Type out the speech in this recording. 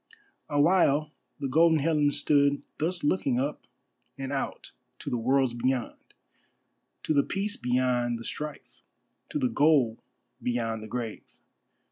Awhile the Golden Helen stood thus looking up and out to the worlds beyond; to the peace beyond the strife, to the goal beyond the grave.